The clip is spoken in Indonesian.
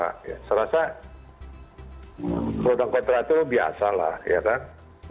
saya rasa pro dan kontra itu biasa lah ya kan